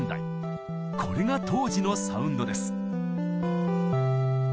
これが当時のサウンドです。